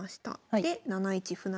で７一歩成。